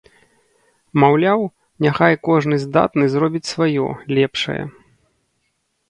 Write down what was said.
Маўляў, няхай кожны здатны зробіць сваё, лепшае.